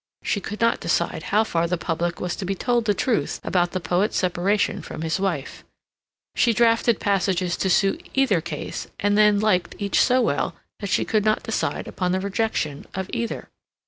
She could not decide how far the public was to be told the truth about the poet's separation from his wife. She drafted passages to suit either case, and then liked each so well that she could not decide upon the rejection of either.